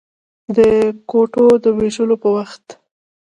د کوټو د وېشلو په وخت.